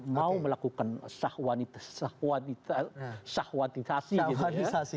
mau melakukan syah syahwatisasi gitu ya